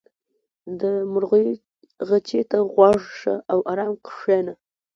• د مرغیو چغې ته غوږ شه او آرام کښېنه.